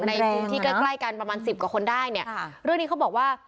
ในพื้นที่ใกล้ใกล้กันประมาณสิบกว่าคนได้เนี่ยเรื่องนี้เขาบอกว่า